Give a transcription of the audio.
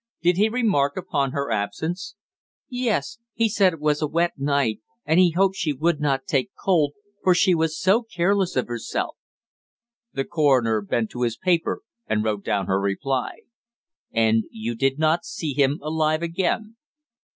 Did he remark upon her absence?" "Yes. He said it was a wet night, and he hoped she would not take cold, for she was so careless of herself." The coroner bent to his paper and wrote down her reply. "And you did not see him alive again."